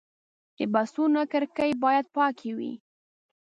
د بسونو کړکۍ باید پاکې وي.